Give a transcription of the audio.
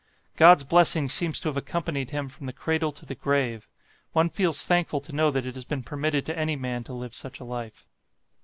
God's blessing seems to have accompanied him from the cradle to the grave. One feels thankful to know that it has been permitted to any man to live such a life.